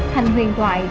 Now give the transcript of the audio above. thành huyền thoại